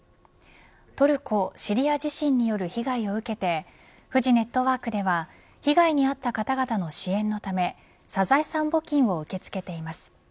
トルコ・シリア地震による被害を受けてフジネットワークでは被害に遭った方々の支援のためサザエさん募金を受け付けています。